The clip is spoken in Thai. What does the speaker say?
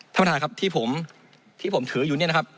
ท่านผู้ชายครับที่ผมถืออยู่เนี่ยนะครับ